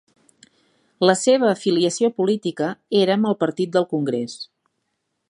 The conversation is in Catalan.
La seva afiliació política era amb el Partit del congrés.